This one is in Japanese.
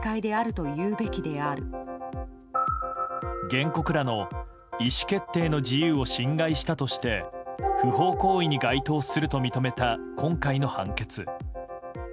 原告らの意思決定の自由を侵害したとして不法行為に該当すると認めた今回の判決。